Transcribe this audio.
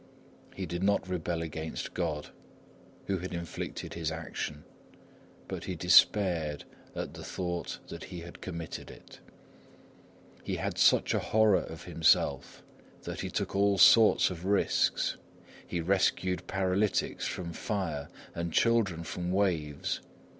He did not rebel against God, who had inflicted his action, but he despaired at the thought that he had committed it. He had such a horror of himself that he took all sorts of risks. He rescued paralytics from fire and children from waves.